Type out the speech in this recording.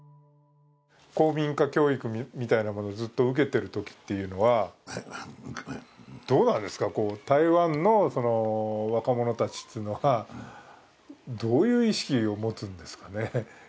皇民化教育みたいなものをずっと受けているときというのは、どうなんですか、台湾の若者たちというのはどういう意識を持つんですかね。